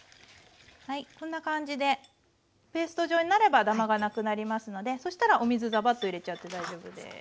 はいこんな感じでペースト状になればダマがなくなりますのでそしたらお水ザバッと入れちゃって大丈夫です。